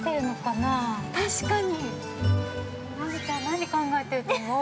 ◆ナギちゃん、何考えてると思う？